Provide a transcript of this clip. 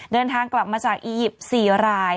เดินทางกลับมาจากอียิปต์๔ราย